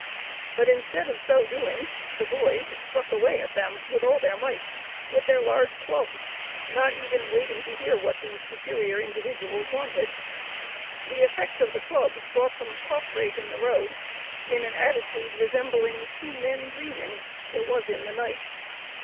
But instead of so doing, the boys struck away at them with all their might, with their large clubs, not even waiting to hear what these superior individuals wanted. The effect of the clubs brought them prostrate in the road, in an attitude resembling two men dreaming, (it was in the night.)